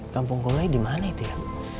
kampung gole dimana itu ya